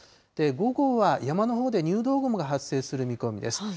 午後は山のほうで入道雲が発生する見込みです。